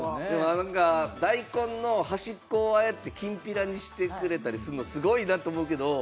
大根の端っこをああやってキンピラにしてくれたりするの、すごいなと思うけど。